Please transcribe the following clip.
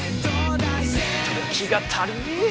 時が足りねぇ！